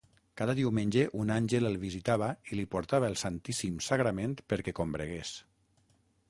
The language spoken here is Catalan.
Cada diumenge, un àngel el visitava i li portava el Santíssim Sagrament perquè combregués.